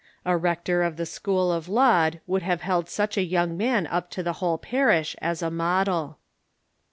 A rector of the school of Laud would have held such a young man up to the whole parish as a model."